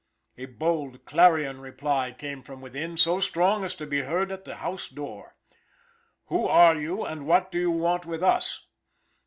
A bold, clarion reply came from within, so strong as to be heard at the house door: "Who are you, and what do you want with us?"